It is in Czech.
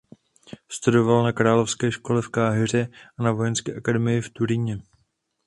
Studoval na královské škole v Káhiře a na Vojenské akademii v Turíně.